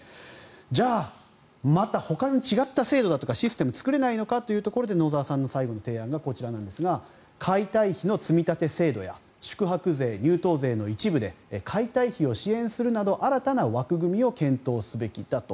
じゃあまたほかに違った制度だとかシステムを作れないのかというところで野澤さんの最後の提案がこちらなんですが解体費の積立制度や宿泊税、入湯税の一部で解体費を支援するなど新たな枠組みを検討すべきだと。